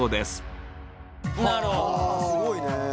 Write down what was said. すごいね。